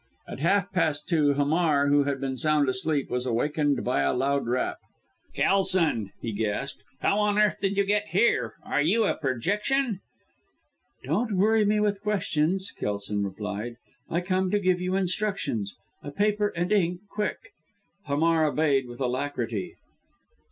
At half past two, Hamar, who had been sound asleep, was awakened by a loud rap. "Kelson!" he gasped. "How on earth did you get here? Are you a projection?" "Don't worry me with questions," Kelson replied. "I have come to give you instructions. A paper and ink, quick." Hamar obeyed with alacrity.